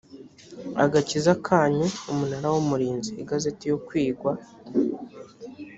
agakiza kanyu umunara w umurinzi igazeti yo kwigwa